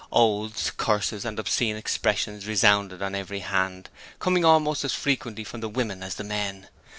Oaths, curses and obscene expressions resounded on every hand, coming almost as frequently from the women as the men.